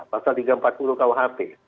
pasal tiga ratus empat puluh kuhp